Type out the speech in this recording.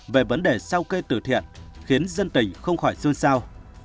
về vấn đề sao kê tử thiện khiến dân tình không khỏi xôn xao